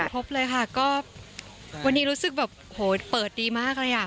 ครบเลยค่ะก็วันนี้รู้สึกแบบโหเปิดดีมากเลยอ่ะ